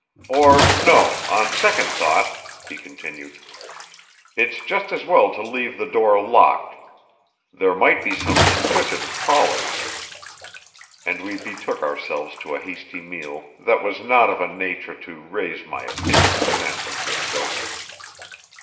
"Or no, on second thought," he continued, "it's just as well to leave the door locked. There might be some inquisitive callers." And we betook ourselves to a hasty meal that was not of a nature to raise my opinion of San Francisco.